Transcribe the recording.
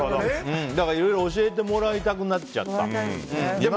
いろいろ教えてもらいたくなっちゃった。